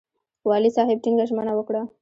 والي صاحب ټینګه ژمنه وکړه.